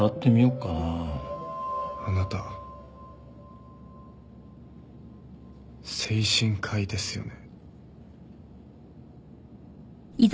あなた精神科医ですよね？